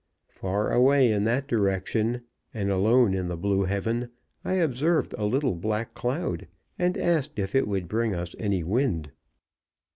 Far away in that direction, and alone in the blue heaven, I observed a little black cloud, and asked if it would bring us any wind.